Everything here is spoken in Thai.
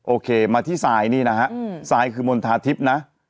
โอเคมาที่ซายนี่นะฮะทรายคือมณฑาทิพย์นะ